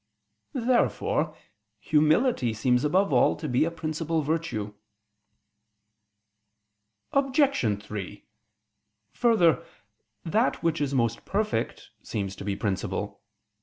Therefore humility seems above all to be a principal virtue. Obj. 3: Further, that which is most perfect seems to be principal.